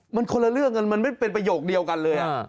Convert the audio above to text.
มันคนละเรื่องกันมันไม่เป็นประโยคเดียวกันเลย